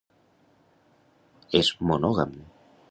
És monògam.